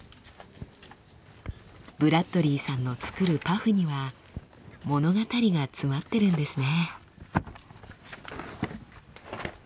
ブラッドリーさんの作るパフには物語が詰まってるんですね。